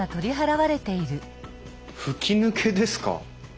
吹き抜けですか！？